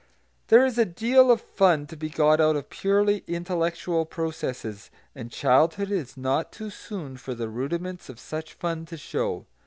There is a deal of fun to be got out of purely intellectual processes, and childhood is not too soon for the rudiments of such fun to show.